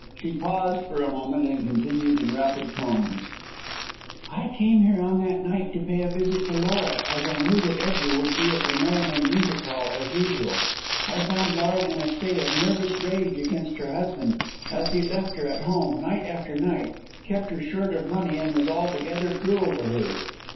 She paused for a moment and continued in rapid tones: "I came here on that night to pay a visit to Laura, as I knew that Edgar would be at the Merryman Music Hall as usual. I found Laura in a state of nervous rage against her husband, as he left her at home night after night, kept her short of money, and was altogether cruel to her.